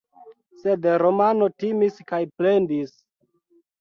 Sed Romano timis kaj plendis.